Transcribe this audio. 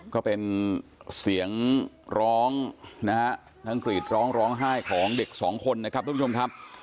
ก็เป็นเสียงร้องนะฮะทั้งกรีดร้องร้องไห้ของเด็กสองคนนะครับทุกผู้ชมครับ